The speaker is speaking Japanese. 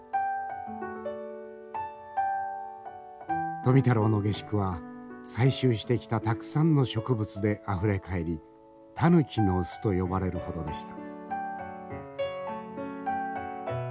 富太郎の下宿は採集してきたたくさんの植物であふれ返りたぬきの巣と呼ばれるほどでした。